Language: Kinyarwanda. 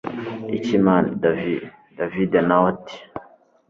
iki mn davi david nawe ati